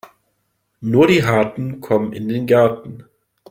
Nur die Harten kommen in den Garten.